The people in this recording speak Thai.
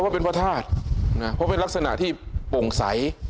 เพราะเป็นลักษณะที่โป่งใส